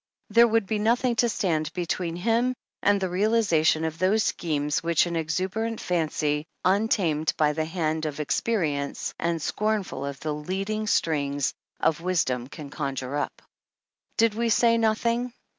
There would be nothing to stand be tween him and the realization of those schemes which an exhuberant fancy, untamed by the hand of ex perience, and scornful of the leadingstrings of wisdom, can conjure up. Did we say nothing